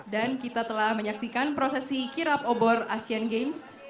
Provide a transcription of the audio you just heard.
dan kita telah menyaksikan prosesi kirap obor asian games